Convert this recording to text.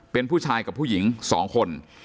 เป็นผู้ชายกับผู้หญิง๒คน